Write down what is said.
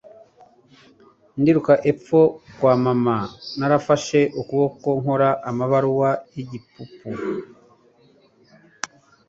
Ndiruka epfo kwa mama narafashe ukuboko nkora amabaruwa y'igipupe.